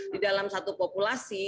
di dalam satu populasi